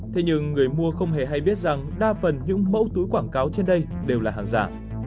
thế nhưng người mua không hề hay biết rằng đa phần những mẫu túi quảng cáo trên đây đều là hàng giả